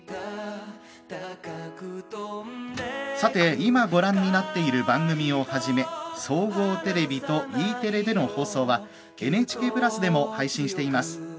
今ご覧になった番組をはじめ総合テレビとＥテレでの放送はＮＨＫプラスでも配信しています。